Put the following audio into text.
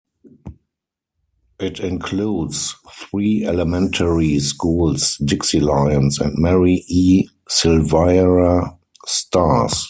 It includes three elementary schools- Dixie Lions, and Mary E. Silveira Stars.